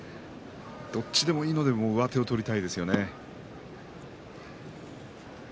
どっちでもいいので上手を取りたいですね。